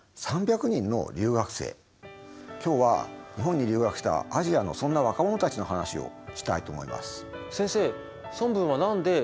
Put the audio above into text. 今日は日本に留学したアジアのそんな若者たちの話をしたいと思います。